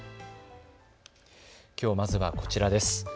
きょう、まずはこちらです。